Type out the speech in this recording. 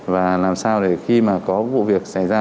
và làm sao để khi mà có vụ việc xảy ra